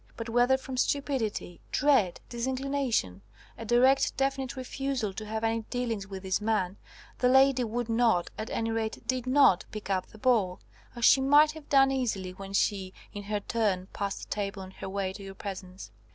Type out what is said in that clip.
But whether from stupidity, dread, disinclination, a direct, definite refusal to have any dealings with this man, the lady would not at any rate did not pick up the ball, as she might have done easily when she in her turn passed the table on her way to your presence.